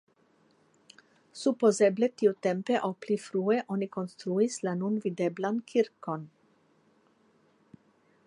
Supozeble tiutempe aŭ pli frue oni konstruis la nun videblan kirkon.